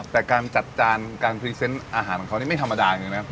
แต่การจัดจานการพรีเซนต์อาหารของเขานี่ไม่ธรรมดาเลยนะ